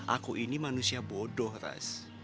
aku ini manusia bodoh ras